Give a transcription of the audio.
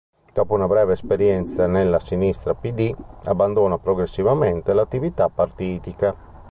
Dopo una breve esperienza nella sinistra Pd, abbandona progressivamente l'attività partitica.